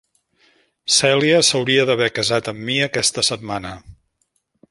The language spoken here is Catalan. Cèlia s'hauria d'haver casat amb mi aquesta setmana.